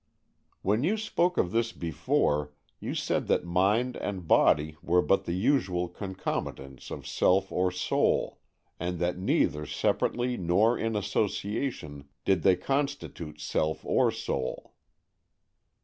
" When you spoke of this before you said that mind and body were but the usual con comitants of self or soul, and that neither separately nor in association did they con stitute self or soul."